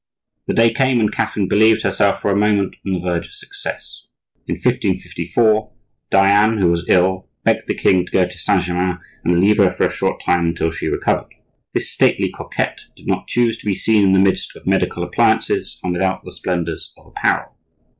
The day came when Catherine believed herself for a moment on the verge of success. In 1554, Diane, who was ill, begged the king to go to Saint Germain and leave her for a short time until she recovered. This stately coquette did not choose to be seen in the midst of medical appliances and without the splendors of apparel.